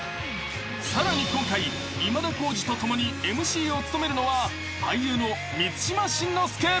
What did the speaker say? ［さらに今回今田耕司と共にＭＣを務めるのは俳優の満島真之介］